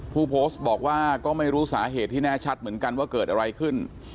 ผู้โพสต์บอกว่าก็ไม่รู้สาเหตุที่แน่ชัดเหมือนกันว่าเกิดอะไรขึ้น